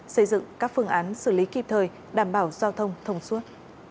xây dựng các phương án xử lý kịp thời đảm bảo giao thông thông suốt